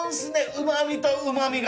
うまみとうまみが！